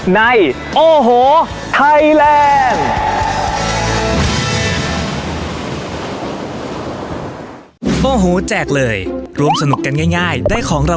ในโอโหไทยแลนด์